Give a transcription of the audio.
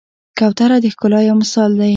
کوتره د ښکلا یو مثال دی.